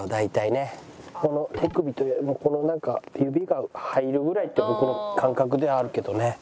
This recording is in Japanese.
手首とこのなんか指が入るぐらいって僕の感覚ではあるけどね。